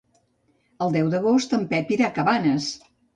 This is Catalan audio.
El deu d'agost en Pep irà a Cabanes.